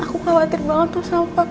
aku khawatir banget tuh sama pak